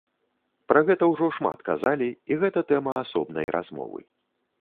Пра гэта ўжо шмат казалі, і гэта тэма асобнай размовы.